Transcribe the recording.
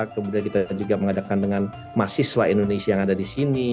kemudian kita juga mengadakan dengan mahasiswa indonesia yang ada di sini